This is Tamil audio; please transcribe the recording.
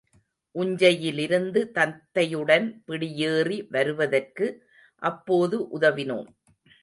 உஞ்சையிலிருந்து தத்தையுடன் பிடியேறி வருவதற்கு அப்போது உதவினோம்.